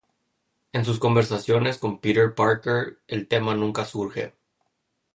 En sus conversaciones con Peter Parker, el tema nunca surge.